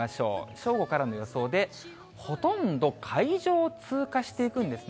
正午からの予想で、ほとんど海上を通過していくんですね。